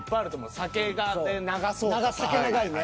酒長いね。